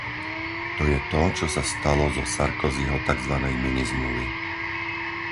To je to, čo sa stalo zo Sarkozyho takzvanej minizmluvy.